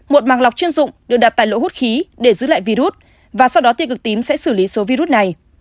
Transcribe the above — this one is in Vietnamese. một màng lọc chuyên dụng được đặt tại lỗ hút khí để giữ lại virus và sau đó ti cực tím sẽ xử lý số virus này